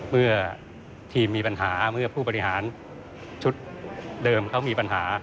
เมื่อทีมมีปัญหาเมื่อผู้บริหารชุดเดิมเขามีปัญหา